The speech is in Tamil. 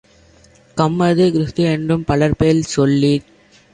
கம்மது, கிறிஸ்து-எனும் பலபேர் சொல்லிச்